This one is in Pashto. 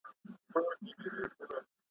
زه نغمه یمه د میني، زه زینت د دې جهان یم ,